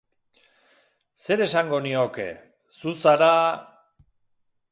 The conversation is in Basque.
Zer esango nioke? Zu zara....